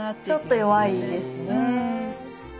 ちょっと弱いですね。